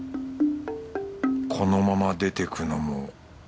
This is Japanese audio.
このまま出てくのも